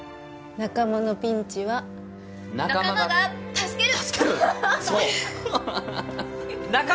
仲間のピンチは仲間が助ける！